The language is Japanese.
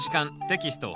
テキスト８